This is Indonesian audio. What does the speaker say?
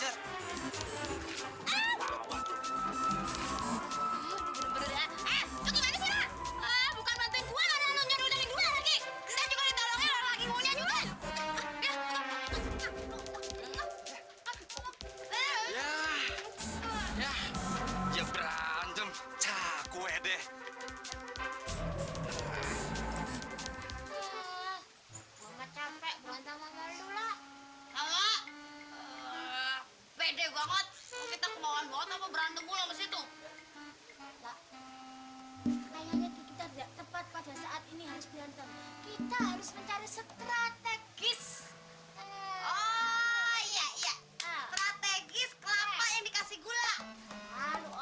lagi kau tidak pulang berkah buat saya